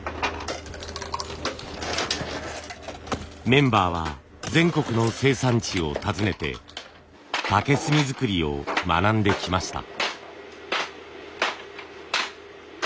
メンバーは全国の生産地を訪ねて竹炭づくりを学んできました。